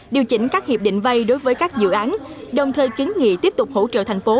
điều chỉnh các hiệp định vay đối với các dự án đồng thời kiến nghị tiếp tục hỗ trợ thành phố